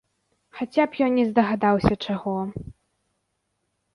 Хаця б ён не здагадаўся чаго.